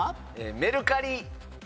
メルカリ。